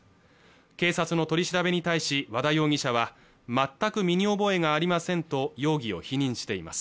警察の取り調べに対し和田容疑者は全く身に覚えがありませんと容疑を否認しています